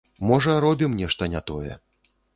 Можа, робім нешта не тое.